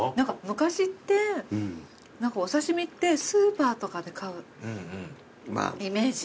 昔ってお刺し身ってスーパーとかで買うイメージ。